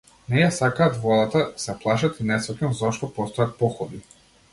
Не ја сакаат водата, се плашат, и не сфаќам зошто постојат походи.